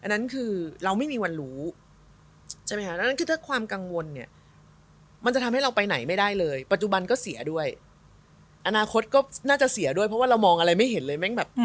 อนาคตก็น่าจะเสียด้วยเพราะว่าเรามองอะไรไม่เห็นเลย